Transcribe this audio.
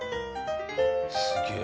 すげえ！